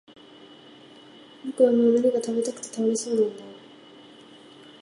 僕はもう何か喰べたくて倒れそうなんだ